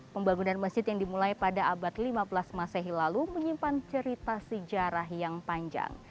pembangunan masjid yang dimulai pada abad lima belas masehi lalu menyimpan cerita sejarah yang panjang